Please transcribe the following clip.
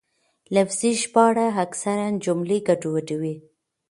لفظي ژباړه اکثراً جملې ګډوډوي.